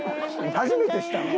初めてしたわ。